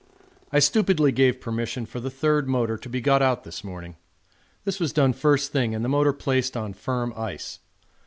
I stupidly gave permission for the third motor to be got out this morning. This was done first thing and the motor placed on firm ice.